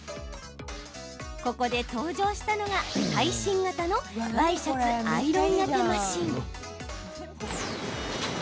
ここで登場したのが最新型のワイシャツアイロンがけマシン。